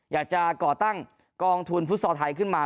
อยากจะก่อตั้งกองทุนฟุตซอร์ไทยขึ้นมา